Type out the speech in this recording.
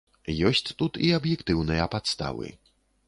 Ёсць тут і аб'ектыўныя падставы.